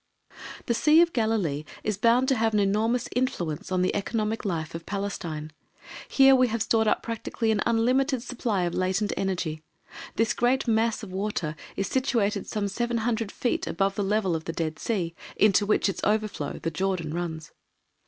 The Sea of Galilee is bound to have an enormous influence on the economic life of Palestine. Here we have stored up practically an unlimited supply of latent energy. This great mass of water is situated some 700 feet above the level of the Dead Sea, into which its overflow, the Jordan runs.